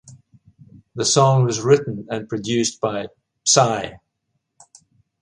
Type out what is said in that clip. The song was written and produced by Psy.